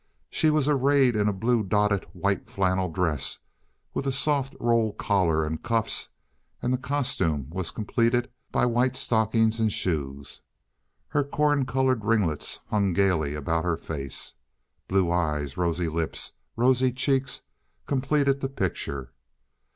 She was arrayed in a blue dotted, white flannel dress, with a soft roll collar and cuffs, and the costume was completed by white stockings and shoes. Her corn colored ringlets hung gaily about her face. Blue eyes, rosy lips, rosy cheeks completed the picture.